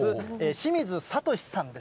清水諭さんです。